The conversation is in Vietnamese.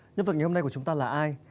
nhân vật ngày hôm nay của chúng ta là ai